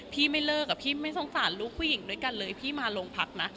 ไม่เลิกอะพี่ไม่สงสารลูกผู้หญิงด้วยกันเลยพี่มาโรงพักนะ